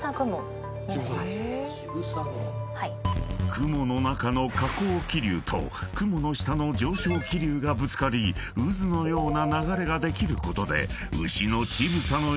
［雲の中の下降気流と雲の下の上昇気流がぶつかり渦のような流れができることで］